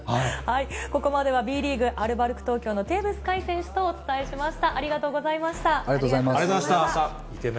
ここまでは、Ｂリーグ・アルバルク東京のテーブス海選手とお伝えしました。